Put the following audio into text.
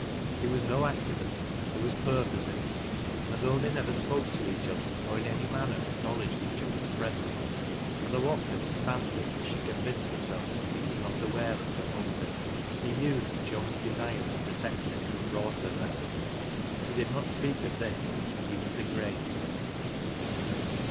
It was no accident, there was purpose in it ; and though they never spoke to each other or in any manner acknowledged each other's presence, and thouffh often he fancied that she convinced herself that he was not aware of her motive, he knew that Joan's desire to protect him had brought her there. He did not speak of this even to Grace.